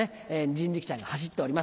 人力車が走っております。